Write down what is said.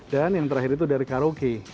dan yang terakhir itu dari karaoke